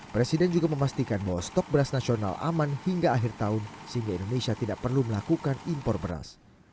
presiden juga memastikan bahwa stok beras nasional aman hingga akhir tahun sehingga indonesia tidak perlu melakukan impor beras